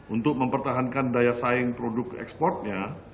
untuk mempertahankan daya saing produk ekspornya